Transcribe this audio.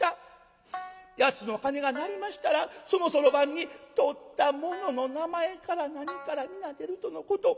八つの鐘が鳴りましたらそのそろばんに盗った者の名前から何から皆出るとのこと。